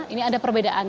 ini ada perbedaan